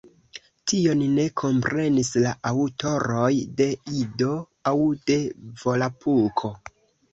Tion ne komprenis la aŭtoroj de Ido aŭ de Volapuko.